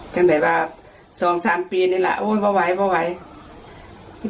จังใดว่า๒๓ปีนี่แหละโอ้ยไม่ไหวไม่ไหว